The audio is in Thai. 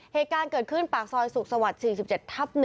เหตุการณ์เกิดขึ้นปากซอยสุขสวรรค์๔๗ทับ๑